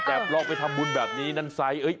ลองไปทำบุญแบบนี้นั่นไซส์